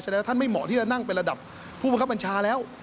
ท่านไม่เหมาะที่จะนั่งเป็นระดับผู้บังคับบัญชาแล้ว